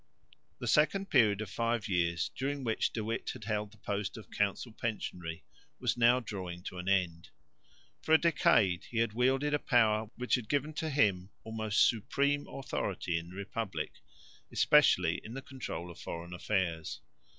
The second period of five years during which De Witt had held the post of council pensionary was now drawing to an end. For a decade he had wielded a power which had given to him almost supreme authority in the republic, especially in the control of foreign affairs.